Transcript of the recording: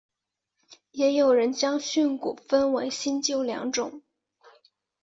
也有人将训诂学分为新旧两种。